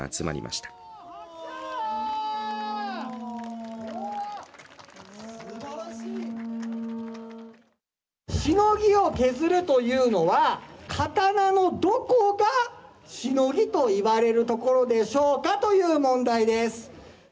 しのぎを削るというのは刀のどこが、しのぎと言われるところでしょうかという問題です。